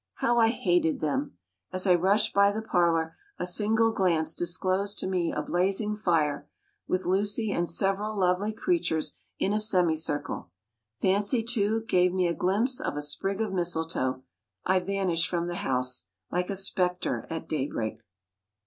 How I hated them! As I rushed by the parlor, a single glance disclosed to me a blazing fire, with Lucy and several lovely creatures in a semi circle. Fancy, too, gave me a glimpse of a sprig of mistletoe I vanished from the house, like a spectre at day break.